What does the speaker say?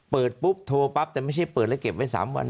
เปิดปุ๊บโทรปั๊บแต่ไม่ใช่เปิดแล้วเก็บไว้๓วัน